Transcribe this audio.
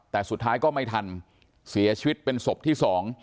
แต่สุดท้ายก็ไม่ทันเสียชีวิตเป็นศพที่สอง